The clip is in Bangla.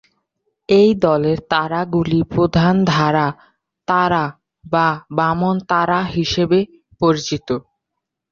এই দলের তারাগুলি প্রধান-ধারা তারা বা বামন তারা হিসাবে পরিচিত।